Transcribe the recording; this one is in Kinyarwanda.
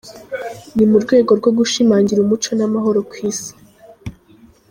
Ni mu rwego rwo gushimangira umuco n’amahoro ku isi.